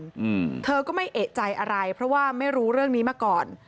อืมเธอก็ไม่เอกใจอะไรเพราะว่าไม่รู้เรื่องนี้มาก่อน